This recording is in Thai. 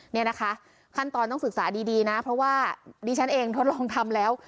เนี่ยนะคะขั้นตอนต้องศึกษาดีนะเพราะว่าดิฉันเองทดลองทำแล้ว